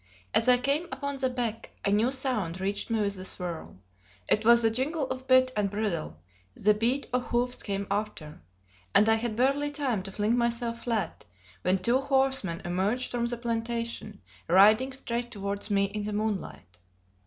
As I came upon the beck, a new sound reached me with the swirl. It was the jingle of bit and bridle; the beat of hoofs came after; and I had barely time to fling myself flat, when two horsemen emerged from the plantation, riding straight towards me in the moonlight.